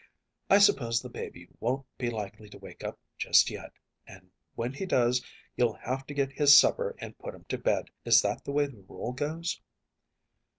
I suppose the baby won’t be likely to wake up just yet, and when he does you’ll have to get his supper and put him to bed. Is that the way the rule goes?